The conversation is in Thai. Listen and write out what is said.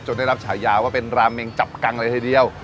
ได้รับฉายาว่าเป็นราเมงจับกังเลยทีเดียว